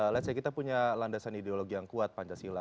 let's say kita punya landasan ideologi yang kuat pancasila